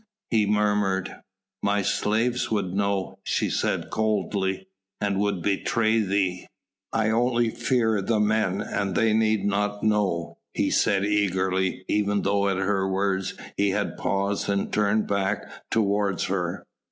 he murmured. "My slaves would know," she said coldly, "and would betray thee." "I only fear the men and they need not know," he said eagerly, even though at her words he had paused and turned back towards her.